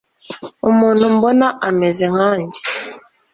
umuntu mbona ameze nkanjye